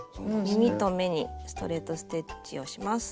耳と目にストレート・ステッチをします。